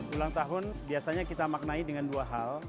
ulang tahun biasanya kita maknai dengan dua hal